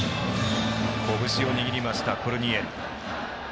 拳を握りましたコルニエル。